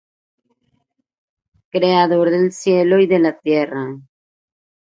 Creador del cielo y de la tierra,